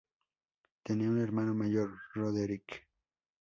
Tenía un hermano mayor, Roderick Jr.